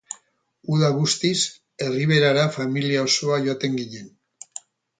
Uda guztiz, Erriberara familia osoa joaten ginen.